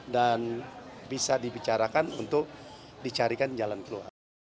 dan bisa dibicarakan untuk dicarikan jalan keluar